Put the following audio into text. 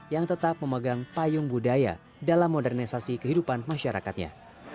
yang tetap memegang payung budaya dalam modernisasi kehidupan masyarakatnya